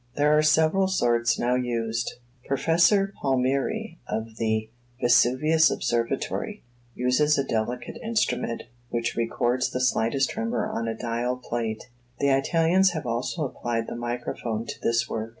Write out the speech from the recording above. There are several sorts now used. Prof. Palmieri, of the Vesuvius Observatory, uses a delicate instrument, which records the slightest tremor on a dial plate. The Italians have also applied the microphone to this work.